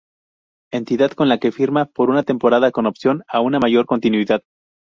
Entidad con la que firma por una temporada con opción a una mayor continuidad.